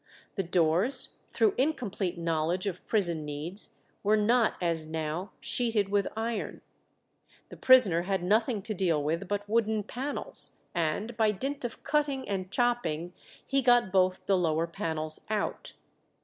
The doors, through incomplete knowledge of prison needs, were not, as now, sheeted with iron. The prisoner had nothing to deal with but wooden panels, and by dint of cutting and chopping he got both the lower panels out.